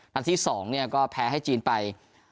ทางที่๒ก็แพ้ให้จีนไป๒๔